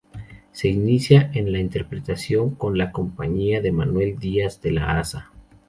Se inicia en la interpretación con la compañía de Manuel Díaz de la Haza.